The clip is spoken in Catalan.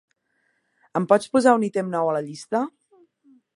Em pots posar un ítem nou a la llista?